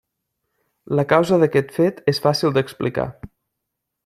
La causa d'aquest fet és fàcil d'explicar.